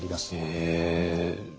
へえ。